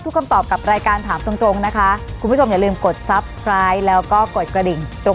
ครับยินดีครับขอบคุณผู้ชมขวัญครับ